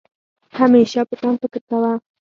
همېشه په ځان فکر کوه